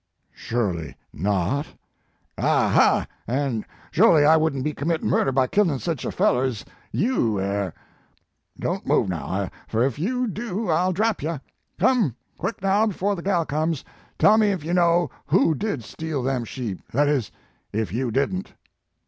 4 Surely not." c< Ah, hah, an* sholy I wouldn t be com mittin murder by killin sich er feller ez you air. Don t move now, fur ef you do I ll drap you. Come, quick, now, befo the gal comes, tell me ef you know who did steal them sheep, that is, if you didn t."